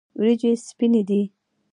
وریجې سپینې دي.